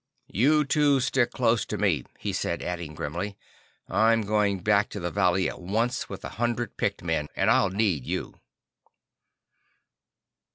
"You two stick close to me," he said, adding grimly, "I'm going back to the valley at once with a hundred picked men, and I'll need you."